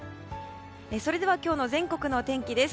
それでは今日の全国のお天気です。